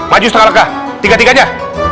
maju setengah lekah tiga tiganya